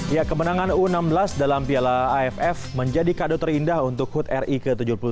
ya kemenangan u enam belas dalam piala aff menjadi kado terindah untuk hut ri ke tujuh puluh tiga